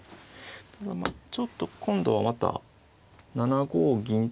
ただまあちょっと今度はまた７五銀とか。